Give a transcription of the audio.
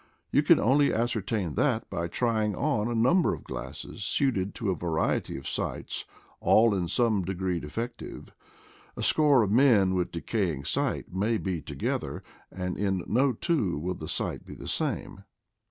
You can only ascertain that by trying on a number of glasses suited to a variety of sights, all in some degree defective. A score of men with decaying sight may be together, and in no two will the sight be the same.